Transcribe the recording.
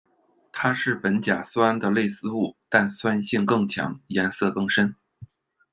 它是苯甲酸的类似物，但酸性更强，颜色更深。